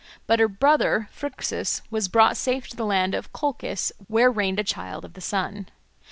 But her brother Phrixus was brought safe to the land of Colchis, where reigned a child of the sun.